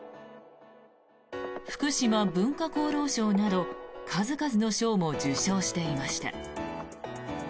福島文化功労賞など数々の賞も受賞していました。